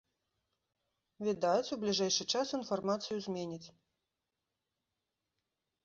Відаць, у бліжэйшы час інфармацыю зменяць.